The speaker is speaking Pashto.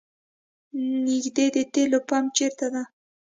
نیږدې د تیلو پمپ چېرته ده؟